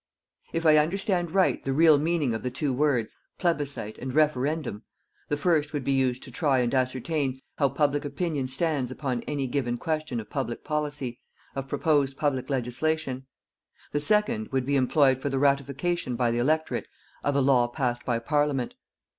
If I understand right the real meaning of the two words: plebiscit and referendum, the first would be used to try and ascertain how public opinion stands upon any given question of public policy, of proposed public legislation: the second would be employed for the ratification by the electorate of a law passed by Parliament.